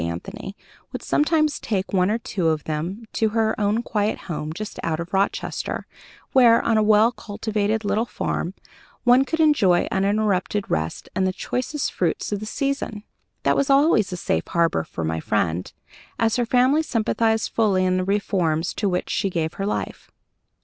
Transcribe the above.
Anthony, would sometimes take one or two of them to her own quiet home, just out of Rochester, where, on a well cultivated little farm, one could enjoy uninterrupted rest and the choicest fruits of the season. That was always a safe harbor for my friend, as her family sympathized fully in the reforms to which she gave her life.